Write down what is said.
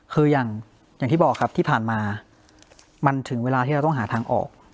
คืออย่างที่บอกครับที่ผ่านมามันถึงเวลาที่เราต้องหาทางออก